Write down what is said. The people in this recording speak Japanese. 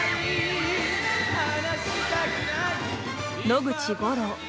野口五郎。